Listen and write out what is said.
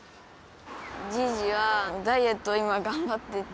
じいじがダイエットを今頑張ってて。